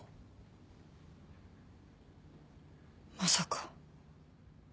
まさか。